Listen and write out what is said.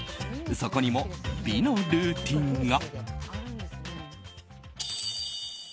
そこにも美のルーティンが。